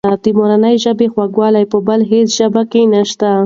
د مورنۍ ژبې خوږوالی په بله هېڅ ژبه کې نشته.